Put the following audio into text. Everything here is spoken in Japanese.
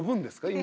今。